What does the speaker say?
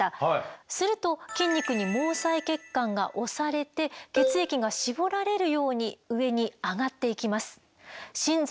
すると筋肉に毛細血管が押されて血液が絞られるように上に上がっていきます。